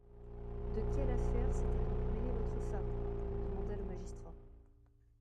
De quelles affaires s'était donc mêlée votre femme ? demanda le magistrat.